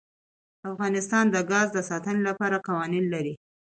افغانستان د ګاز د ساتنې لپاره قوانین لري.